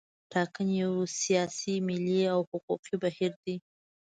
ټاکنې یو سیاسي، ملي او حقوقي بهیر دی.